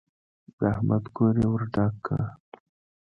د احمد کور يې ور ډاک کړ.